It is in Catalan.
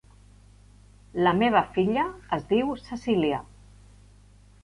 La meva filla es diu Cecília.